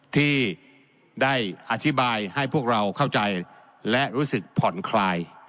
ที่ได้อธิบายให้พวกเราเข้าใจและรู้สึกผ่อนคลาย